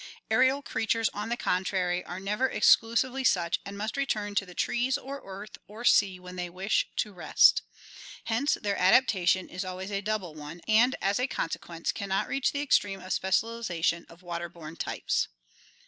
Aerial creatures, on the contrary, are never ex clusively such and must return to the trees or earth or sea when they wish to rest. Hence their adaptation is always a double one and as a consequence cannot reach the extreme of specialization of water borne types.